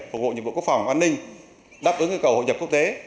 phục vụ nhiệm vụ quốc phòng an ninh đáp ứng yêu cầu hội nhập quốc tế